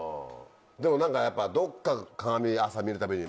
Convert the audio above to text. でも何かやっぱどっか鏡朝見るたびに。